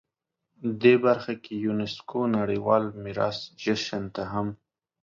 دې برخه کې یونسکو نړیوال میراث جشن ته هم